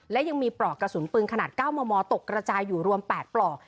และยังมีปลอกกระสุนปืนขนาด๙มมตกกระจายอยู่รวม๘ปลอก